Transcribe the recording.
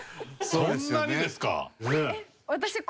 そんなにですか？